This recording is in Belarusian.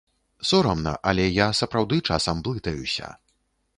Сорамна, але я сапраўды часам блытаюся.